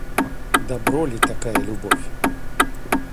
Добро ли такая любовь?